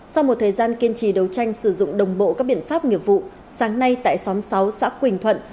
sau một thời gian kiên trì đấu tranh sử dụng đồng bộ các biện pháp nghiệp vụ sáng nay tại xóm sáu xã quỳnh thuận